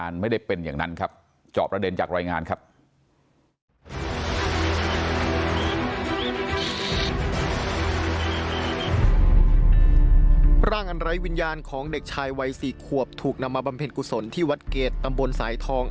อันไร้วิญญาณของเด็กชายวัย๔ขวบถูกนำมาบำเพ็ญกุศลที่วัดเกรดตำบลสายทอง